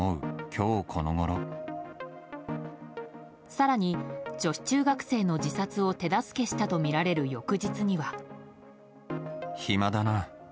更に女子中学生の自殺を手助けしたとみられる翌日には。